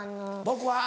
僕は？